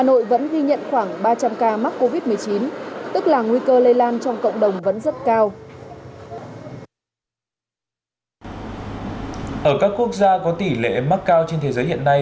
ở các quốc gia có tỷ lệ mắc cao trên thế giới hiện nay